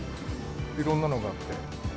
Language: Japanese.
いろんなのがあって。